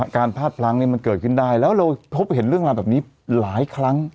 พลาดพลั้งมันเกิดขึ้นได้แล้วเราพบเห็นเรื่องราวแบบนี้หลายครั้ง